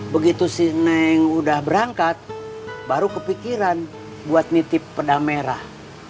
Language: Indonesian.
begitu si neng udah berangkat baru kepikiran buat nitip peda merah